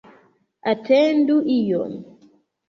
Atendu iom.